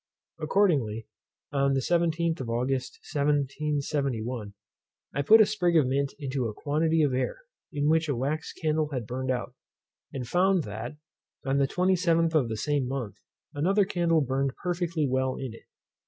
Accordingly, on the 17th of August 1771, I put a sprig of mint into a quantity of air, in which a wax candle had burned out, and found that, on the 27th of the same month, another candle burned perfectly well in it.